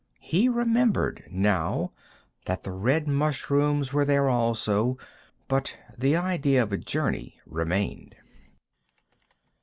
He remembered, now, that the red mushrooms were there also, but the idea of a journey remained.